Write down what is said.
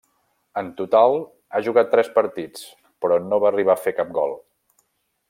En total ha jugat tres partits, però no va arribar a fer cap gol.